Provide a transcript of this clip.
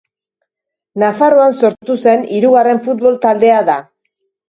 Nafarroan sortu zen hirugarren futbol taldea da.